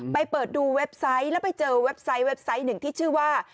เปิดดูเว็บไซต์แล้วไปเจอเว็บไซต์เว็บไซต์หนึ่งที่ชื่อว่า